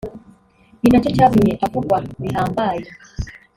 ni nacyo cyatumye avugwa bihambaye